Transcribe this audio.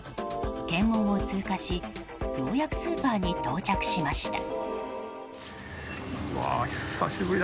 検問を通過し、ようやくスーパーに到着しました。